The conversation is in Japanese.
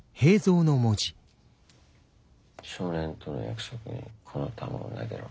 「少年との約束にこの球を投げろ。